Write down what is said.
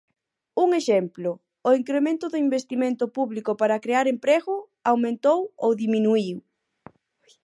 Un exemplo: o incremento do investimento público para crear emprego ¿aumentou ou diminuíu?